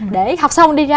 để học xong đi ra